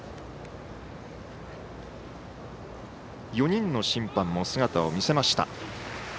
４人の審判も姿を見せました。